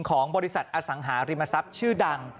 ของบริษัทอสังหาริมทรัพย์ชื่อดัง